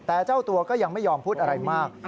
แต่เจ้าตัวก็ยังไม่ยอมพูดอะไรมาก